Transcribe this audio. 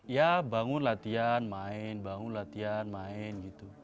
ya bangun latihan main bangun latihan main gitu